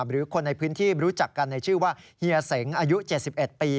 หรือคนในพื้นที่รู้จักกันในชื่อว่าเฮียเสงอายุ๗๑ปี